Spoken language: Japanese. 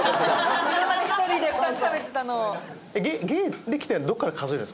今まで１人で２つ食べてたのを。